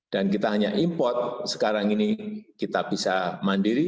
dan kita hanya import sekarang ini kita bisa mandiri